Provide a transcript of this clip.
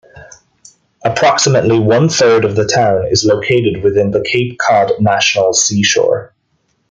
Approximately one-third of the town is located within the Cape Cod National Seashore.